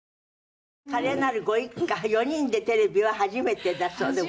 華麗なるご一家４人でテレビは初めてだそうで。